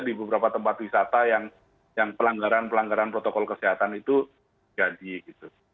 di beberapa tempat wisata yang pelanggaran pelanggaran protokol kesehatan itu jadi gitu